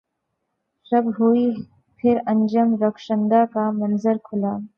شب ہوئی پھر انجم رخشندہ کا منظر کھلا